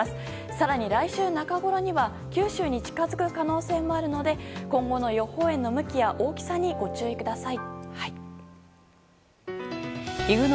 更に、来週中ごろには九州に近づく可能性もあるので今後の予報円の向きや大きさにご注意ください。